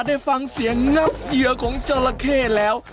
ได้ฟังเสียงกรงับเหยียวของเจาะละแค่แล้ว